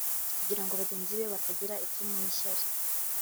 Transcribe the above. kugira ngo bagenzi be batagira ipfunwe n’ishyari